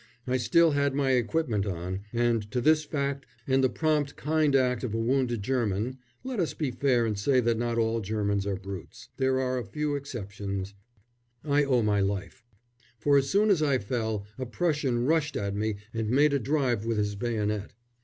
I still had my equipment on, and to this fact and the prompt kind act of a wounded German let us be fair and say that not all Germans are brutes: there are a few exceptions I owe my life, for as soon as I fell a Prussian rushed at me and made a drive with his bayonet.